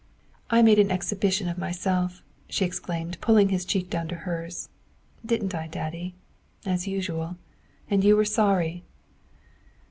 " I made an exhibition of myself," she exclaimed, pulling his cheek down to hers, " didn't I, daddy, as usual, and you were sorry."